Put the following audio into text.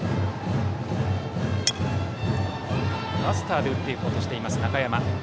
バスターで打っていこうとした中山。